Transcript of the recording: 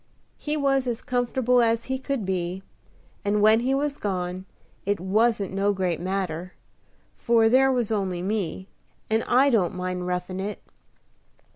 He was as comfortable as he could be; and, when he was gone, it wasn't no great matter, for there was only me, and I don't mind roughin' it."